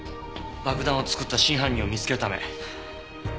爆弾を作った真犯人を見つけるため。